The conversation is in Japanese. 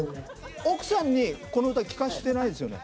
奥さんにこの歌聴かせてないですよね？